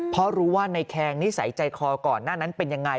เพราะรู้ว่าในแคงนิสัยใจคอก่อนหน้านั้นเป็นยังไง